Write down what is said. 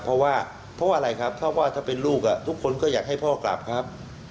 เพราะว่าเพราะว่าอะไรครับเพราะว่าถ้าเป็นลูกทุกคนก็อยากให้พ่อกลับครับ